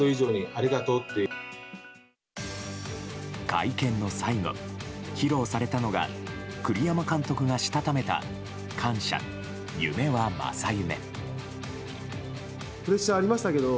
会見の最後、披露されたのが栗山監督がしたためた「感謝夢は正夢」。